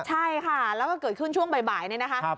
ใช่ค่ะแล้วก็เกิดขึ้นช่วงบ่ายเนี่ยนะคะ